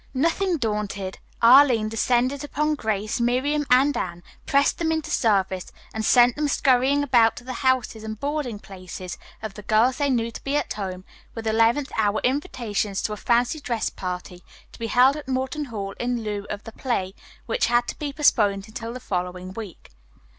Nothing daunted, Arline descended upon Grace, Miriam and Anne, pressed them into service and sent them scurrying about to the houses and boarding places of the girls they knew to be at home, with eleventh hour invitations to a fancy dress party to be held at Morton Hall in lieu of the play, which had to be postponed until the following week.